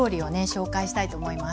紹介したいと思います。